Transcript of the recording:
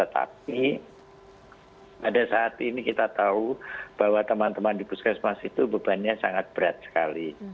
tapi pada saat ini kita tahu bahwa teman teman di puskesmas itu bebannya sangat berat sekali